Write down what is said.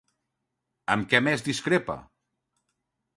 Amb què més discrepa?